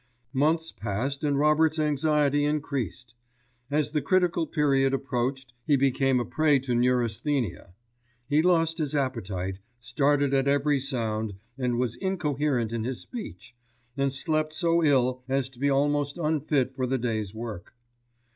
Months passed and Robert's anxiety increased. As the critical period approached he became a prey to neurasthenia. He lost his appetite, started at every sound, was incoherent in his speech, and slept so ill as to be almost unfit for the day's work.